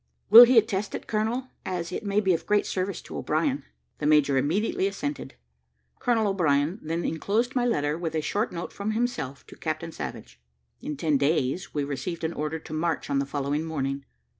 "Will he attest it, colonel, as it may be of great service to O'Brien?" The major immediately assented. Colonel O'Brien then enclosed my letter, with a short note from himself, to Captain Savage. In ten days, we received an order to march on the following morning.